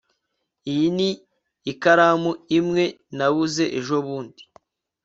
iyi ni ikaramu imwe nabuze ejobundi